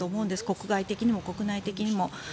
国外的にも国内的にも。